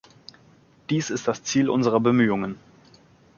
Dies ist das Ziel unserer Bemühungen.